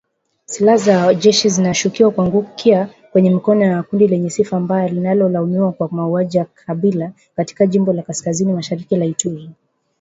Silaha za jeshi zinashukiwa kuangukia kwenye mikono ya kundi lenye sifa mbaya linalolaumiwa kwa mauaji ya kikabila katika jimbo la kaskazini-mashariki la Ituri